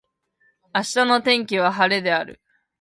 明日の天気は晴れである。